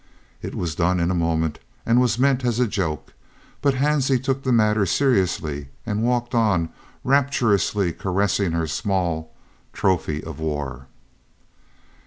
It was done in a moment and was meant for a joke, but Hansie took the matter seriously and walked on, rapturously caressing her small "trophy of the war."